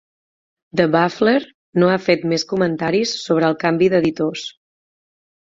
The Baffler no ha fet més comentaris sobre el canvi d'editors.